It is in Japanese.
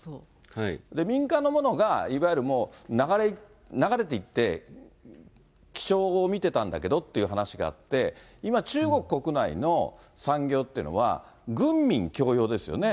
民間のものが、いわゆるもう流れていって、気象を見てたんだけどっていう話があって、今、中国国内の産業っていうのは、軍民共用ですよね。